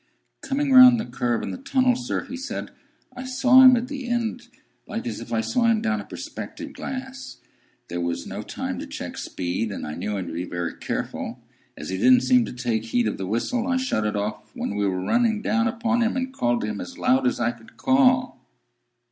"Coming round the curve in the tunnel, sir," he said, "I saw him at the end, like as if I saw him down a perspective glass. There was no time to check speed, and I knew him to be very careful. As he didn't seem to take heed of the whistle, I shut it off when we were running down upon him, and called to him as loud as I could call."